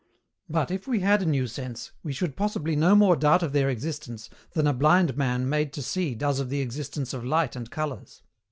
But, if we had a new sense, we should possibly no more doubt of their existence than a blind man made to see does of the existence of light and colours.